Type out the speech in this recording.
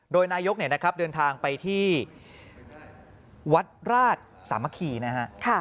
โดยนายกเนี่ยนะครับเดินทางไปที่วัดราชสามัคคีนะฮะ